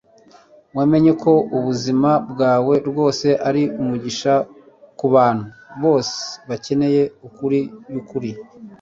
wamenye ko ubuzima bwawe rwose ari umugisha kubantu bose bakeneye inkuru yukuri